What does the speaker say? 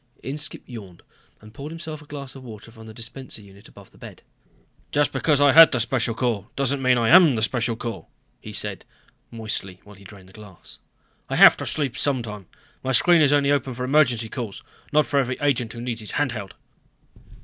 Inskipp yawned and poured himself a glass of water from the dispenser unit above the bed. "Just because I head the Special Corps, doesn't mean that I am the Special Corps," he said moistly while he drained the glass. "I have to sleep sometime. My screen is open only for emergency calls, not for every agent who needs his hand held."